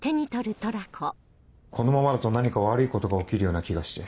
このままだと何か悪いことが起きるような気がして。